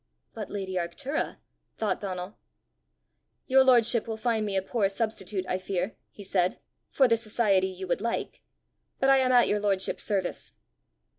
"But lady Arctura!" thought Donal. "Your lordship will find me a poor substitute, I fear," he said, "for the society you would like. But I am at your lordship's service."